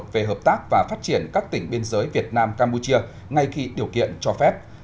về hợp tác và phát triển các tỉnh biên giới việt nam campuchia ngay khi điều kiện cho phép